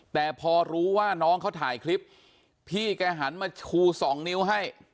แต่พอรู้ว่าน้องเขาถ่ายคลิปพี่แกหันมาชูสองนิ้วให้